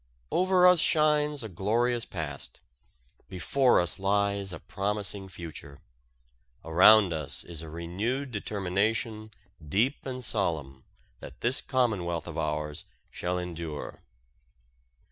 Over us shines a glorious past, before us lies a promising future. Around us is a renewed determination deep and solemn that this Commonwealth of ours shall endure.